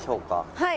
はい。